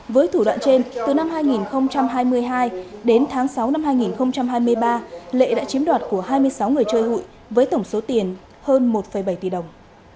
với thủ đoạn trên từ năm hai nghìn hai mươi hai đến tháng sáu năm hai nghìn hai mươi ba lệ đã chiếm đoạt của hai mươi sáu người chơi hụi với tổng số tiền hơn một bảy tỷ đồng